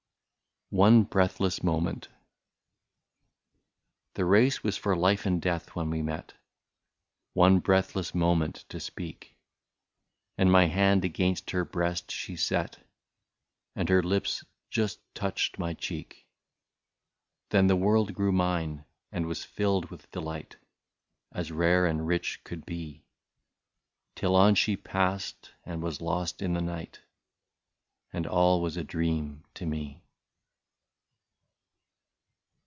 1 86 ONE BREATHLESS MOMENT. The race was for life and death when we met One breathless moment to speak — And my hand against her breast she set, And her lips just touched my cheek. Then the world grew mine, and was filled with delight. As rare and rich could be ; Till on she passed and was lost in the night, And all was a dream to me.